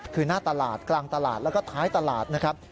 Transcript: คือหน้าตลาดกลางตลาดแล้วก็ท้ายตลาดนะครับ